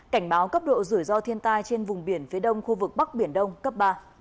cảnh báo cấp độ rủi ro thiên tai trên vùng biển phía đông khu vực bắc biển đông cấp ba